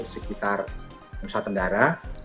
di sekitar nusa tenggara